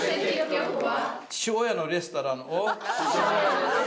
父親のレストランを。